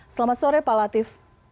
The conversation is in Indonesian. selamat sore pak latif